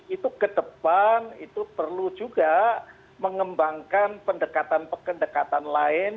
itu ke depan itu perlu juga mengembangkan pendekatan pendekatan lain